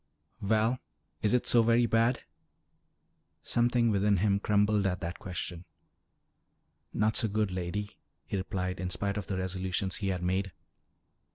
Val, is it so very bad?" Something within him crumbled at that question. "Not so good, Lady," he replied in spite of the resolutions he had made.